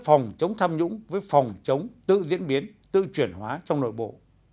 phòng chống tham nhũng với phòng chống tự diễn biến tự chuyển hóa trong nội bộ